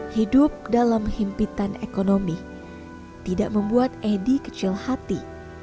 hidup dalam himpitan ekonomi tidak membuat edi kecil hati